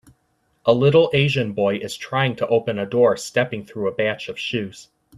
A little Asian boy is trying to open a door stepping through a batch of shoes.